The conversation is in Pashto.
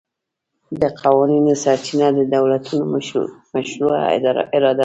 د قوانینو سرچینه د دولتونو مشروعه اراده ده